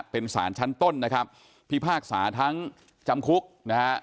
เป็นสารชั้นต้นนะครับพิพากษาทั้งจำคุกนะฮะ